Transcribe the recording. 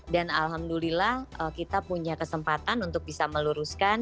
alhamdulillah kita punya kesempatan untuk bisa meluruskan